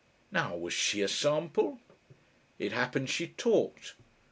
Now, was she a sample? It happened she talked.